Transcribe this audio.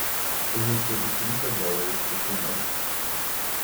Eu recebo trinta dólares por semana.